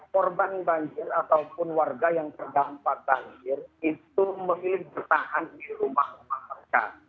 korban banjir ataupun warga yang terdampak banjir itu memilih bertahan di rumah rumah mereka